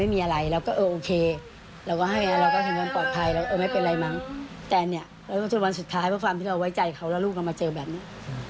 แต่เนี่ยเราก็จนวันสุดท้ายเพราะความที่เราไว้ใจเขาแล้วลูกกันมาเจอแบบนี้